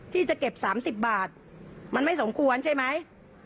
ที่จะเก็บ๓๐บาทมันไม่สมควรใช่ไหม